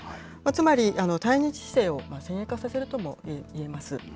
つまり、対日姿勢を先鋭化させるともいわれているんです。